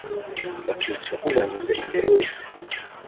bakica ubanyuze imbere wese